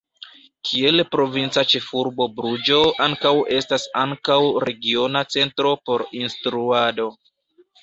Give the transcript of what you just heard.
Kiel provinca ĉefurbo Bruĝo ankaŭ estas ankaŭ regiona centro por instruado.